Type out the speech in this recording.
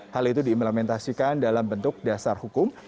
hal itu diimplementasikan dalam bentuk dasar hukum